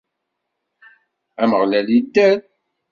Ameɣlal idder!